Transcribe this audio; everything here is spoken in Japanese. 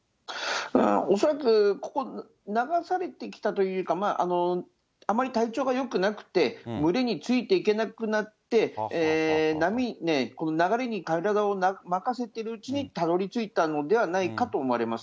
恐らくここ、流されてきたというか、あまり体調がよくなくて、群れについていけなくなって、波、流れに体を任せてるうちにたどりついたのではないかと思われます